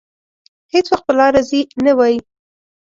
هېڅ وخت په لاره ځي نه وايي.